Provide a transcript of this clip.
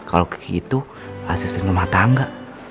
kalau kiki itu asisten rumah tangga